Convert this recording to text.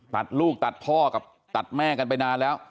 ตัดลูกตัดพ่อกับตัดแม่กันไปนานแล้ว